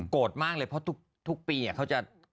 มากเลยเพราะทุกปีเขาจะ